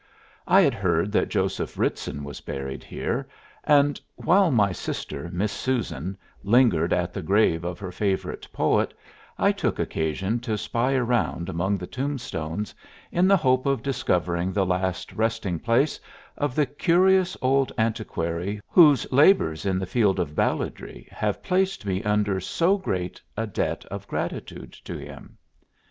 I had heard that Joseph Ritson was buried here, and while my sister, Miss Susan, lingered at the grave of her favorite poet, I took occasion to spy around among the tombstones in the hope of discovering the last resting place of the curious old antiquary whose labors in the field of balladry have placed me under so great a debt of gratitude to him.